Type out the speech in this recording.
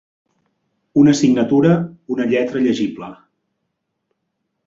Una signatura, una lletra llegible.